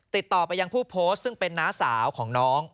ติดต่อไปยังผู้โพสต์ซึ่งเป็นน้าสาวของน้อง